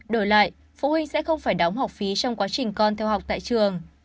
đổi lại phụ huynh sẽ không phải đóng học phí trong quá trình con theo học tại trường